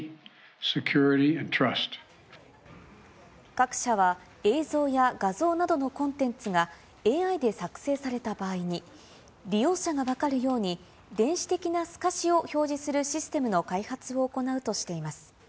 各社は、映像や画像などのコンテンツがＡＩで作成された場合に、利用者が分かるように、電子的な透かしを表示するシステムの開発を行うとしています。